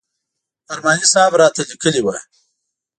ارماني صاحب راته لیکلي و.